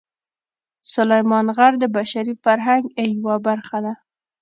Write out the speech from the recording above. سلیمان غر د بشري فرهنګ یوه برخه ده.